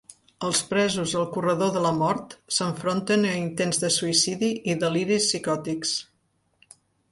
Els presos al corredor de la mort s'enfronten a intents de suïcidi i deliris psicòtics.